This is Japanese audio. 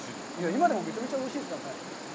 今でもめちゃめちゃおいしいですからね。